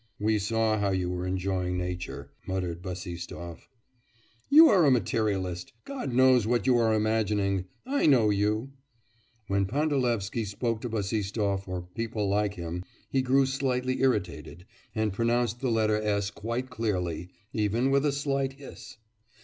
'We saw how you were enjoying nature,' muttered Bassistoff. 'You are a materialist, God knows what you are imagining! I know you.' When Pandalevsky spoke to Bassistoff or people like him, he grew slightly irritated, and pronounced the letter s quite clearly, even with a slight hiss.